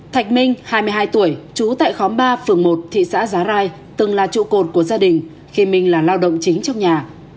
thạch minh hai mươi hai tuổi trú tại khóm ba phường một thị xã giá rai từng là trụ cột của gia đình khi minh là lao động chính trong nhà